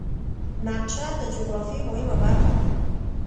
نقشه د جغرافیې مهمه برخه ده.